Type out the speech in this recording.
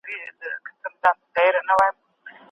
صالحه ميرمن د ميلمنو له ماشومانو سره د ميني او نرمۍ چلند کوي.